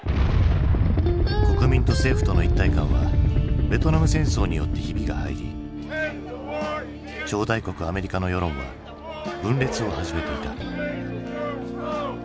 国民と政府との一体感はベトナム戦争によってヒビが入り超大国アメリカの世論は分裂を始めていた。